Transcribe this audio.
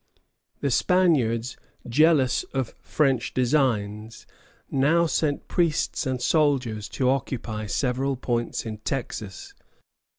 The Spaniards, jealous of French designs, now sent priests and soldiers to occupy several points in Texas.